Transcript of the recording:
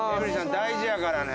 大事やからね